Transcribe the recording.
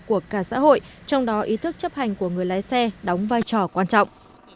của cả xã hội trong đó ý thức chấp hành của người lái xe đóng vai trò quan trọng